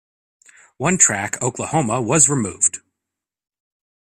One track, "Oklahoma," was removed.